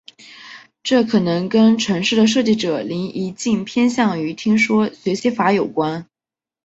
这可能跟程式的设计者林宜敬偏向于听说学习法有关。